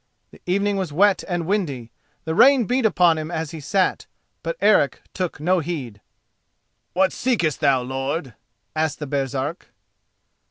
The evening was wet and windy; the rain beat upon him as he sat, but Eric took no heed. "What seekest thou, lord?" asked the Baresark.